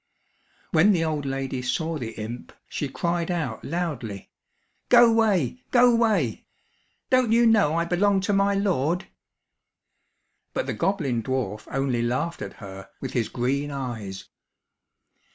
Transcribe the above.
When the old lady saw the imp, she cried out loudly: "Go way, go way. Don't you know I belong to my Lord?" But the goblin dwarf only laughed at her, with his green eyes.